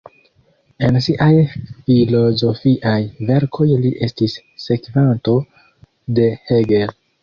En siaj filozofiaj verkoj li estis sekvanto de Hegel.